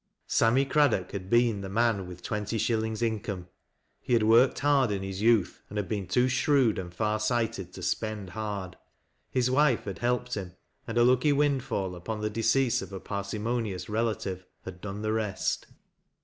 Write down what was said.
Sammy Cr§,ddoek had been the man with twenty shillings income. He had worked hard in his youth and had been too shi ewd and far sighted to spend hard. His wife had helped him, and a lucky windfall upon the decease of a parsimonious relative had done the rest.